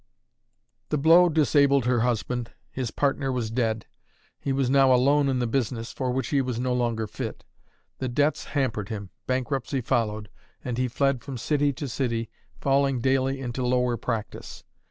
The blow disabled her husband, his partner was dead; he was now alone in the business, for which he was no longer fit; the debts hampered him; bankruptcy followed; and he fled from city to city, falling daily into lower practice.